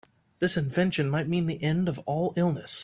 This invention might mean the end of all illness.